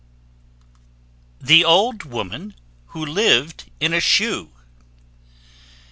THE OLD WOMAN WHO LIVED IN A SHOE.